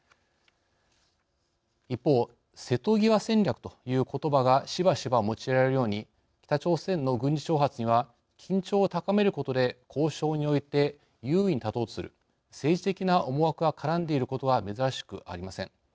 一方、瀬戸際戦略ということばがしばしば用いられるように北朝鮮の軍事挑発には緊張を高めることで交渉において優位に立とうとする政治的な思惑が絡んでいることが珍しくありません。